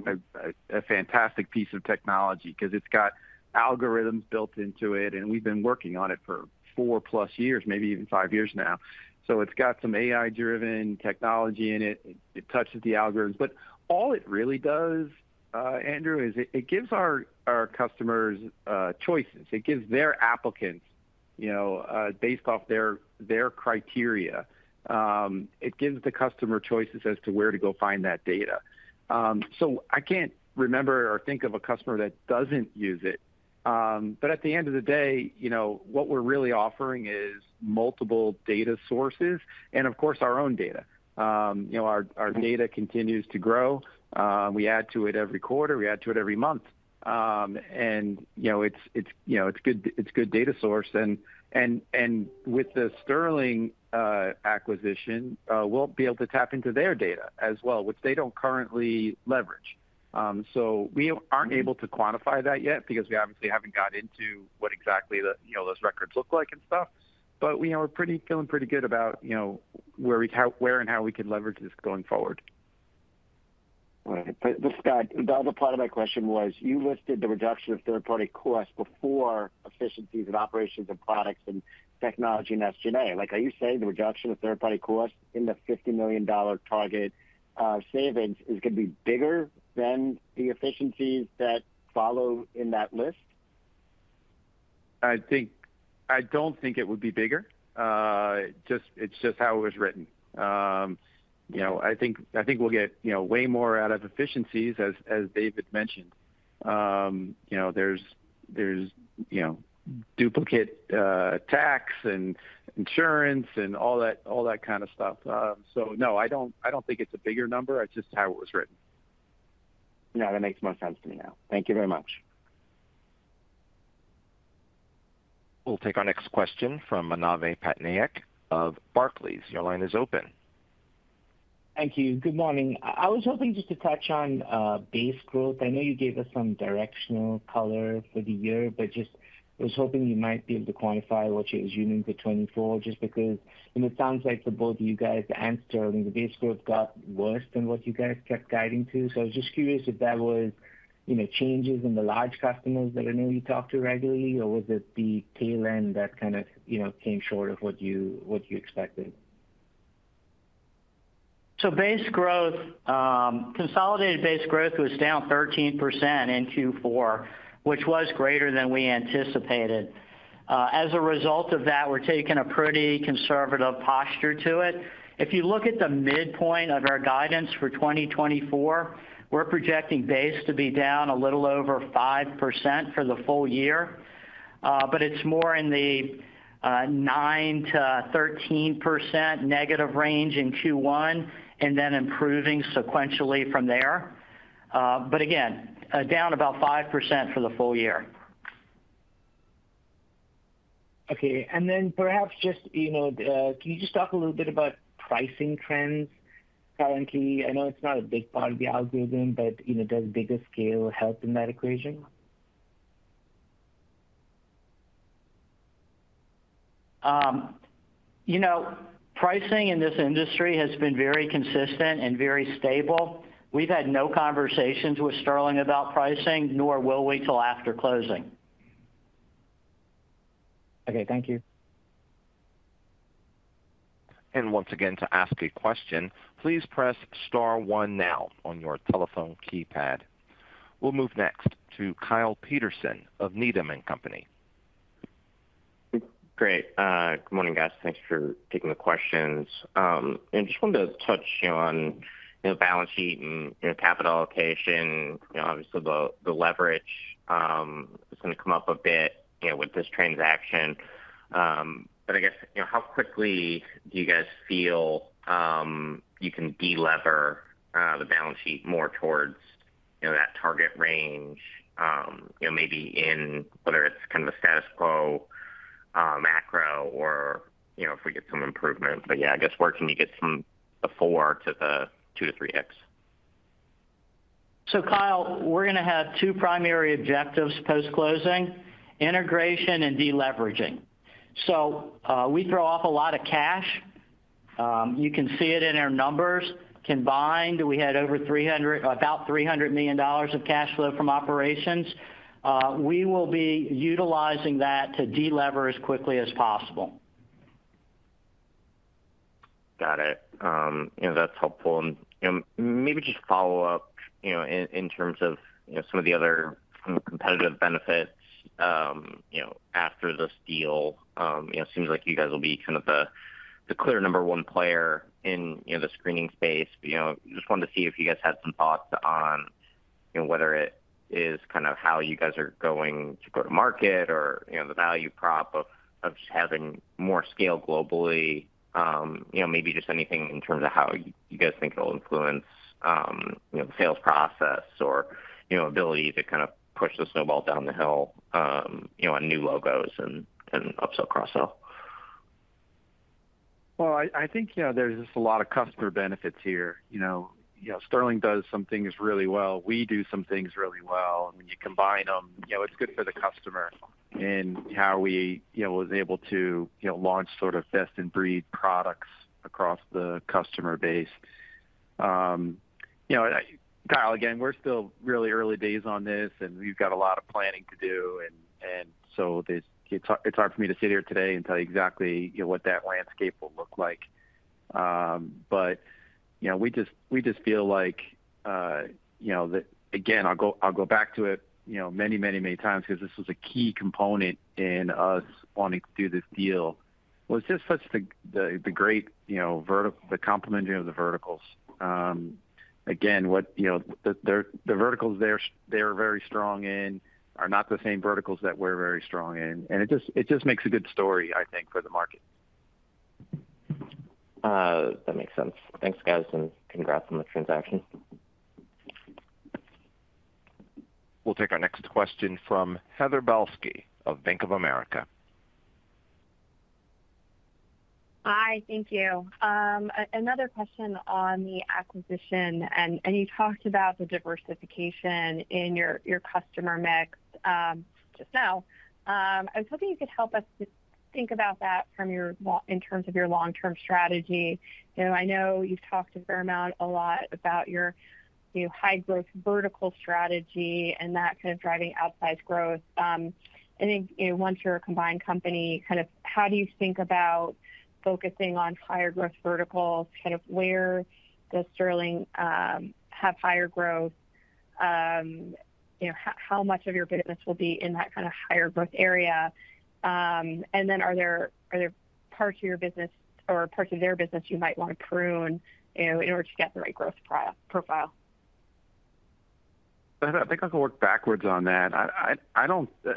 fantastic piece of technology because it's got algorithms built into it, and we've been working on it for 4+ years, maybe even five years now. So it's got some AI-driven technology in it. It touches the algorithms. But all it really does, Andrew, is it gives our customers choices. It gives their applicants based off their criteria. It gives the customer choices as to where to go find that data. So I can't remember or think of a customer that doesn't use it. But at the end of the day, what we're really offering is multiple data sources and, of course, our own data. Our data continues to grow. We add to it every quarter. We add to it every month. It's a good data source. With the Sterling acquisition, we'll be able to tap into their data as well, which they don't currently leverage. We aren't able to quantify that yet because we obviously haven't got into what exactly those records look like and stuff. We're feeling pretty good about where and how we can leverage this going forward. All right. But Scott, the other part of my question was, you listed the reduction of third-party costs before efficiencies and operations and products and technology and SG&A. Are you saying the reduction of third-party costs in the $50 million target savings is going to be bigger than the efficiencies that follow in that list? I don't think it would be bigger. It's just how it was written. I think we'll get way more out of efficiencies, as David mentioned. There's duplicate tax and insurance and all that kind of stuff. So no, I don't think it's a bigger number. It's just how it was written. No, that makes more sense to me now. Thank you very much. We'll take our next question from Manav Patnaik of Barclays. Your line is open. Thank you. Good morning. I was hoping just to touch on base growth. I know you gave us some directional color for the year, but just was hoping you might be able to quantify what you're assuming for 2024 just because it sounds like for both of you guys and Sterling, the base growth got worse than what you guys kept guiding to. I was just curious if that was changes in the large customers that I know you talk to regularly, or was it the tail end that kind of came short of what you expected? So consolidated base growth was down 13% in Q4, which was greater than we anticipated. As a result of that, we're taking a pretty conservative posture to it. If you look at the midpoint of our guidance for 2024, we're projecting base to be down a little over 5% for the full year. But it's more in the 9%-13% negative range in Q1 and then improving sequentially from there. But again, down about 5% for the full year. Okay. And then perhaps just can you just talk a little bit about pricing trends currently? I know it's not a big part of the algorithm, but does bigger scale help in that equation? Pricing in this industry has been very consistent and very stable. We've had no conversations with Sterling about pricing, nor will we till after closing. Okay. Thank you. Once again, to ask a question, please press star one now on your telephone keypad. We'll move next to Kyle Peterson of Needham & Company. Great. Good morning, guys. Thanks for taking the questions. Just wanted to touch on balance sheet and capital allocation. Obviously, the leverage is going to come up a bit with this transaction. I guess, how quickly do you guys feel you can de-lever the balance sheet more towards that target range, maybe in whether it's kind of a status quo, macro, or if we get some improvement? Yeah, I guess where can you get from the 4x to the 2x-3x? Kyle, we're going to have two primary objectives post-closing: integration and de-leveraging. We throw off a lot of cash. You can see it in our numbers combined. We had about $300 million of cash flow from operations. We will be utilizing that to de-lever as quickly as possible. Got it. That's helpful. Maybe just follow up in terms of some of the other competitive benefits after this deal. It seems like you guys will be kind of the clear number one player in the screening space. Just wanted to see if you guys had some thoughts on whether it is kind of how you guys are going to go to market or the value prop of just having more scale globally. Maybe just anything in terms of how you guys think it'll influence the sales process or ability to kind of push the snowball down the hill on new logos and upsell-cross-sell. Well, I think there's just a lot of customer benefits here. Sterling does some things really well. We do some things really well. And when you combine them, it's good for the customer in how we was able to launch sort of best-in-breed products across the customer base. Kyle, again, we're still really early days on this, and we've got a lot of planning to do. And so it's hard for me to sit here today and tell you exactly what that landscape will look like. But we just feel like that again, I'll go back to it many, many, many times because this was a key component in us wanting to do this deal. Well, it's just such the great complementary of the verticals. Again, the verticals they're very strong in are not the same verticals that we're very strong in. It just makes a good story, I think, for the market. That makes sense. Thanks, guys, and congrats on the transaction. We'll take our next question from Heather Balsky of Bank of America. Hi. Thank you. Another question on the acquisition. You talked about the diversification in your customer mix just now. I was hoping you could help us think about that in terms of your long-term strategy. I know you've talked a fair amount a lot about your high-growth vertical strategy and that kind of driving outsized growth. Once you're a combined company, kind of how do you think about focusing on higher-growth verticals? Kind of where does Sterling have higher growth? How much of your business will be in that kind of higher-growth area? Then are there parts of your business or parts of their business you might want to prune in order to get the right growth profile? I think I can work backwards on that.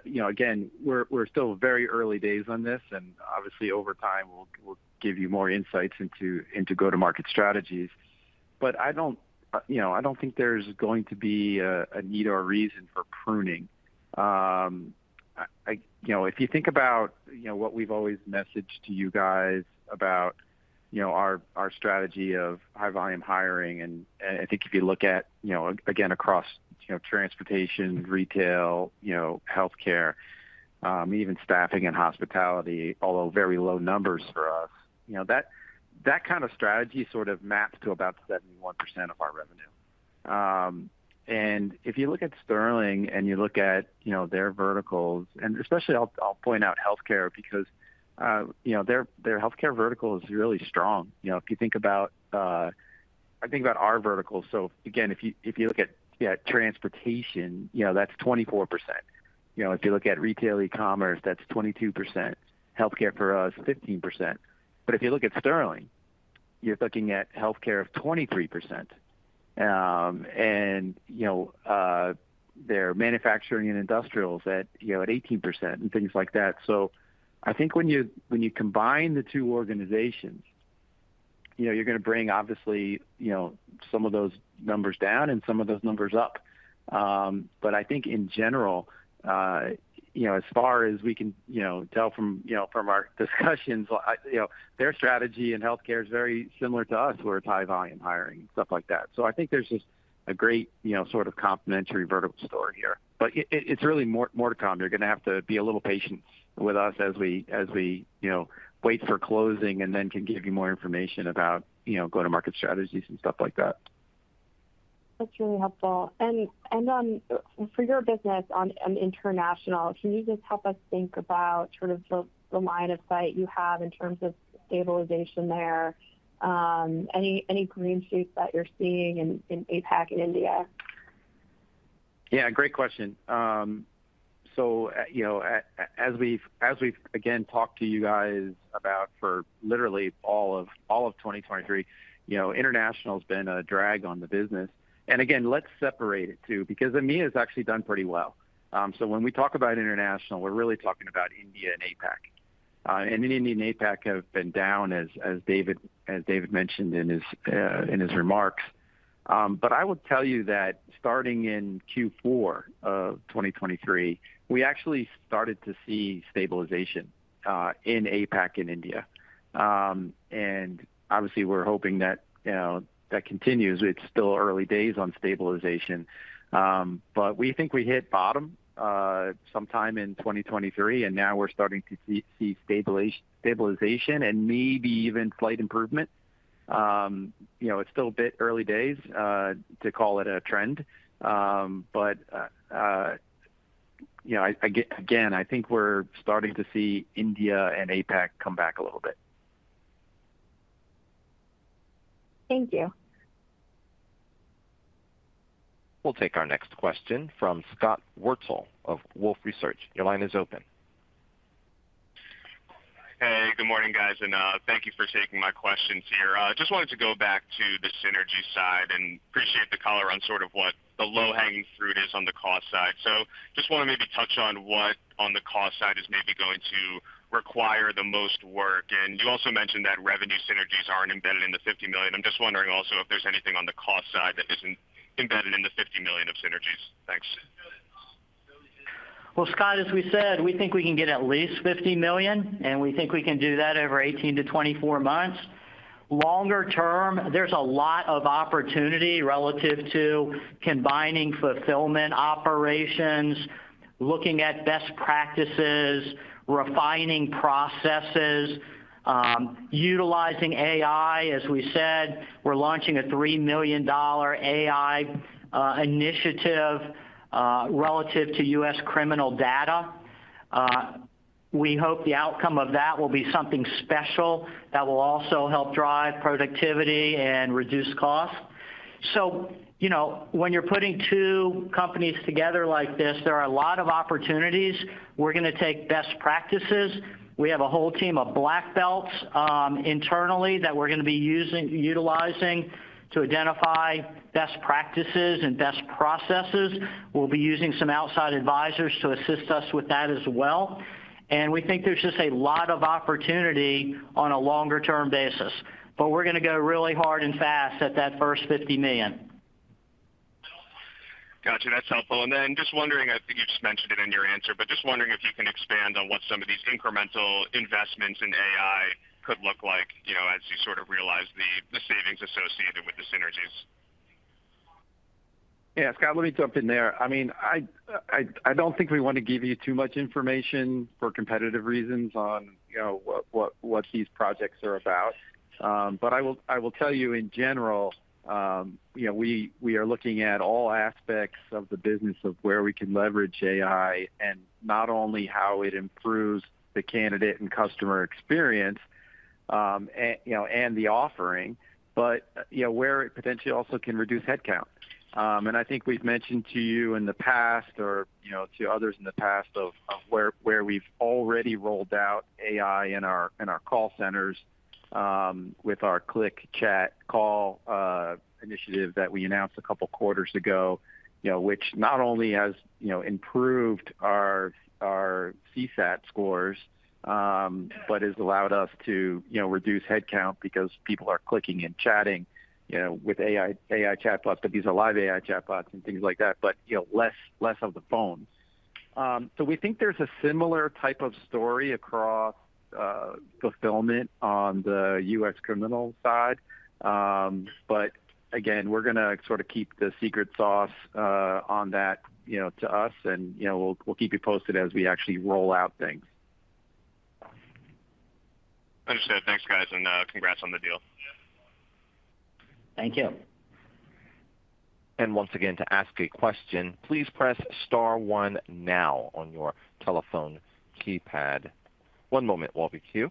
Again, we're still very early days on this. Obviously, over time, we'll give you more insights into go-to-market strategies. But I don't think there's going to be a need or a reason for pruning. If you think about what we've always messaged to you guys about our strategy of high-volume hiring and I think if you look at, again, across transportation, retail, healthcare, even staffing and hospitality, although very low numbers for us, that kind of strategy sort of maps to about 71% of our revenue. If you look at Sterling and you look at their verticals and especially, I'll point out healthcare because their healthcare vertical is really strong. If you think about, I think about our verticals. So again, if you look at transportation, that's 24%. If you look at retail e-commerce, that's 22%. Healthcare for us, 15%. But if you look at Sterling, you're looking at healthcare of 23%. And their manufacturing and industrials at 18% and things like that. So I think when you combine the two organizations, you're going to bring, obviously, some of those numbers down and some of those numbers up. But I think in general, as far as we can tell from our discussions, their strategy in healthcare is very similar to us where it's high-volume hiring and stuff like that. So I think there's just a great sort of complementary vertical story here. But it's really more to come. You're going to have to be a little patient with us as we wait for closing and then can give you more information about go-to-market strategies and stuff like that. That's really helpful. For your business on international, can you just help us think about sort of the line of sight you have in terms of stabilization there? Any green shoots that you're seeing in APAC and India? Yeah. Great question. So as we've, again, talked to you guys about for literally all of 2023, international's been a drag on the business. And again, let's separate it too because India's actually done pretty well. So when we talk about international, we're really talking about India and APAC. And India and APAC have been down, as David mentioned in his remarks. But I would tell you that starting in Q4 of 2023, we actually started to see stabilization in APAC and India. And obviously, we're hoping that continues. It's still early days on stabilization. But we think we hit bottom sometime in 2023, and now we're starting to see stabilization and maybe even slight improvement. It's still a bit early days to call it a trend. But again, I think we're starting to see India and APAC come back a little bit. Thank you. We'll take our next question from Scott Wurtzel of Wolfe Research. Your line is open. Hey. Good morning, guys. And thank you for taking my questions here. I just wanted to go back to the synergy side and appreciate the color on sort of what the low-hanging fruit is on the cost side. So just want to maybe touch on what, on the cost side, is maybe going to require the most work. And you also mentioned that revenue synergies aren't embedded in the $50 million. I'm just wondering also if there's anything on the cost side that isn't embedded in the $50 million of synergies. Thanks. Well, Scott, as we said, we think we can get at least $50 million, and we think we can do that over 18-24 months. Longer term, there's a lot of opportunity relative to combining fulfillment operations, looking at best practices, refining processes, utilizing AI. As we said, we're launching a $3 million AI initiative relative to U.S. criminal data. We hope the outcome of that will be something special that will also help drive productivity and reduce costs. So when you're putting two companies together like this, there are a lot of opportunities. We're going to take best practices. We have a whole team of black belts internally that we're going to be utilizing to identify best practices and best processes. We'll be using some outside advisors to assist us with that as well. We think there's just a lot of opportunity on a longer-term basis. But we're going to go really hard and fast at that first $50 million. Gotcha. That's helpful. And then just wondering I think you just mentioned it in your answer, but just wondering if you can expand on what some of these incremental investments in AI could look like as you sort of realize the savings associated with the synergies? Yeah. Scott, let me jump in there. I mean, I don't think we want to give you too much information for competitive reasons on what these projects are about. But I will tell you, in general, we are looking at all aspects of the business of where we can leverage AI and not only how it improves the candidate and customer experience and the offering, but where it potentially also can reduce headcount. And I think we've mentioned to you in the past or to others in the past of where we've already rolled out AI in our call centers with our click chat call initiative that we announced a couple of quarters ago, which not only has improved our CSAT scores but has allowed us to reduce headcount because people are clicking and chatting with AI chatbots. But these are live AI chatbots and things like that, but less of the phones. So we think there's a similar type of story across fulfillment on the U.S. criminal side. But again, we're going to sort of keep the secret sauce on that to us, and we'll keep you posted as we actually roll out things. Understood. Thanks, guys, and congrats on the deal. Thank you. Once again, to ask a question, please press star one now on your telephone keypad. One moment while we queue.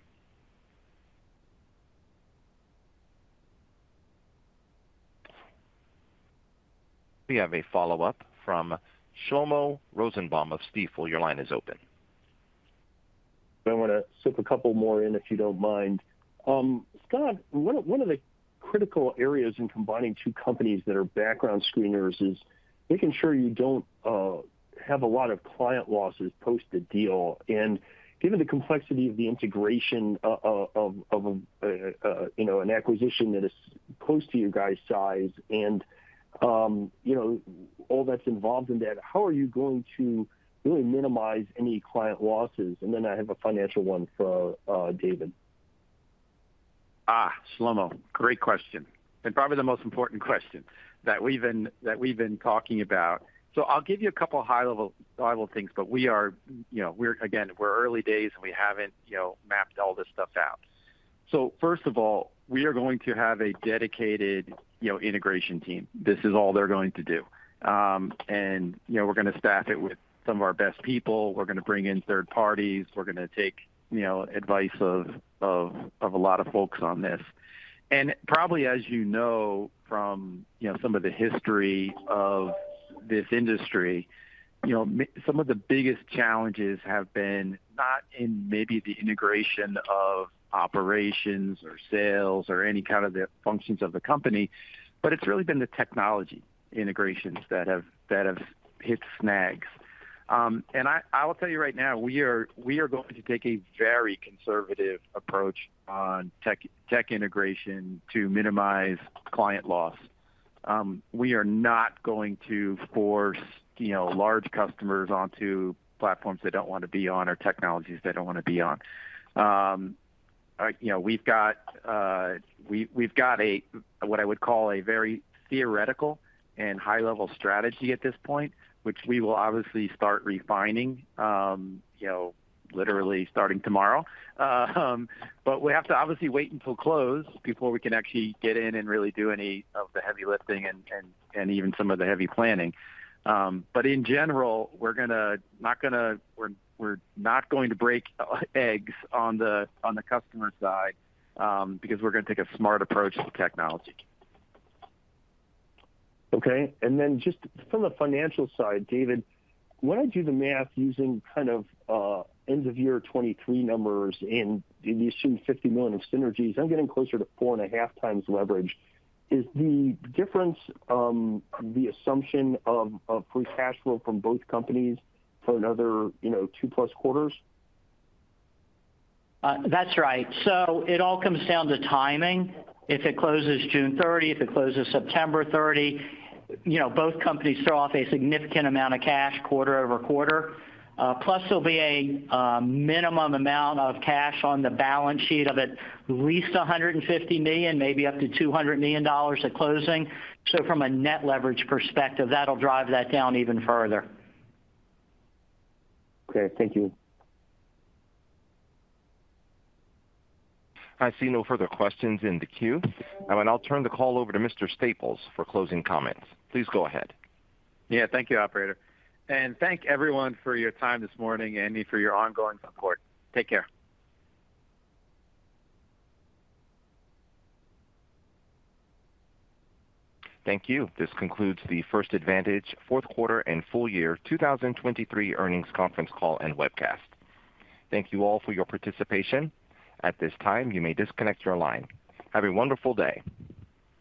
We have a follow-up from Shlomo Rosenbaum of Stifel. Your line is open. I want to slip a couple more in if you don't mind. Scott, one of the critical areas in combining two companies that are background screeners is making sure you don't have a lot of client losses post the deal. And given the complexity of the integration of an acquisition that is close to your guys' size and all that's involved in that, how are you going to really minimize any client losses? And then I have a financial one for David. Shlomo, great question. And probably the most important question that we've been talking about. So I'll give you a couple of high-level things, but we are again, we're early days, and we haven't mapped all this stuff out. So first of all, we are going to have a dedicated integration team. This is all they're going to do. And we're going to staff it with some of our best people. We're going to bring in third parties. We're going to take advice of a lot of folks on this. And probably, as you know from some of the history of this industry, some of the biggest challenges have been not in maybe the integration of operations or sales or any kind of the functions of the company, but it's really been the technology integrations that have hit snags. I will tell you right now, we are going to take a very conservative approach on tech integration to minimize client loss. We are not going to force large customers onto platforms they don't want to be on or technologies they don't want to be on. We've got what I would call a very theoretical and high-level strategy at this point, which we will obviously start refining literally starting tomorrow. We have to obviously wait until close before we can actually get in and really do any of the heavy lifting and even some of the heavy planning. In general, we're not going to break eggs on the customer side because we're going to take a smart approach to technology. Okay. Then just from the financial side, David, when I do the math using kind of end-of-year 2023 numbers and the assumed $50 million of synergies, I'm getting closer to 4.5x leverage. Is the difference the assumption of free cash flow from both companies for another 2+ quarters? That's right. So it all comes down to timing. If it closes June 30, if it closes September 30, both companies throw off a significant amount of cash quarter over quarter. Plus, there'll be a minimum amount of cash on the balance sheet of at least $150 million, maybe up to $200 million at closing. So from a net leverage perspective, that'll drive that down even further. Okay. Thank you. I see no further questions in the queue. I'll turn the call over to Mr. Staples for closing comments. Please go ahead. Yeah. Thank you, operator. Thank everyone for your time this morning and for your ongoing support. Take care. Thank you. This concludes the First Advantage fourth quarter and full year 2023 earnings conference call and webcast. Thank you all for your participation. At this time, you may disconnect your line. Have a wonderful day.